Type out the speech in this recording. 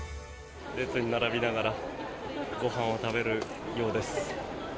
列に並びながらご飯を食べるようです。